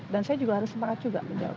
dan saya juga harus semangat juga menjawab